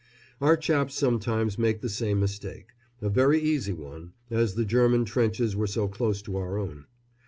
Our chaps sometimes make the same mistake a very easy one, as the German trenches were so close to our own.